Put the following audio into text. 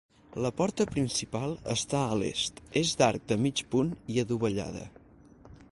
La porta principal està a l'est, és d'arc de mig punt i adovellada.